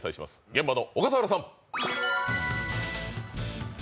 現場の小笠原さん。